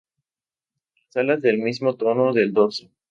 Las alas del mismo tono del dorso.